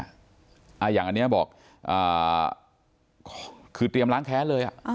อย่างอันนี้บอกคือเตรียมล้างแค้นเลย